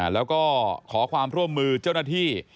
แล้วก็ขอความร่วมมือเจ้าหน้าที่